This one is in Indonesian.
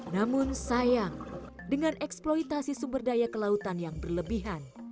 namun sayang dengan eksploitasi sumber daya kelautan yang berlebihan